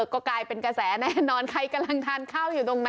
ก็กลายเป็นกระแสแน่นอนใครกำลังทานข้าวอยู่ตรงนั้น